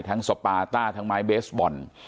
สปาต้าทั้งไม้เบสบอล